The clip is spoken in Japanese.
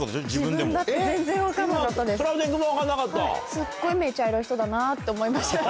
すっごい目茶色い人だなって思いました。